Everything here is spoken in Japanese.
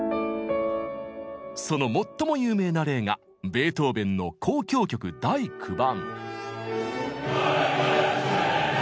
その最も有名な例がベートーベンの「交響曲第９番」。